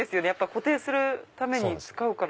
固定するために使うから。